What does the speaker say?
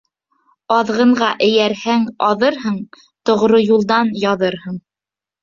Аҙғынға эйәрһәң, аҙырһың, тоғро юлдан яҙырһың.